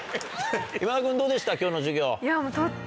今田君どうでした今日の授業。